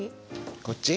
こっち？